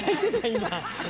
今。